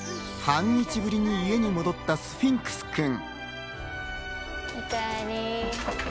半日ぶりに家に戻ったスフィンクスくん。